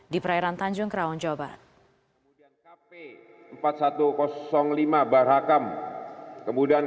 di perairan tanjung keraunjoba